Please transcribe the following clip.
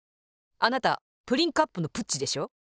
あなたプリンカップのプッチでしょ？